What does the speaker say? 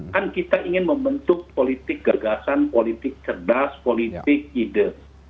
kan kita ingin membentuk politik gagasan politik cerdas politik ide